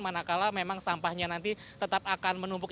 manakala memang sampahnya nanti tetap akan menumpuk